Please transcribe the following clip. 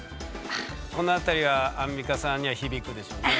この辺りはアンミカさんには響くでしょうね。